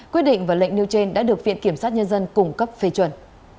quyết định và lệnh nêu trên đã được viện kiểm sát nhân dân cung cấp phê chuẩn